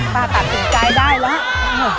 ตัดสินใจได้แล้ว